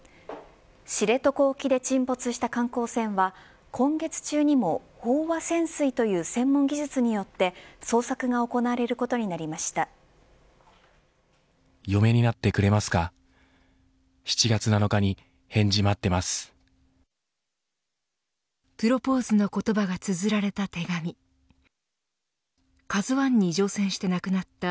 知床沖で沈没した観光船は今月中にも飽和潜水という専門技術によって捜索が行われることになりました。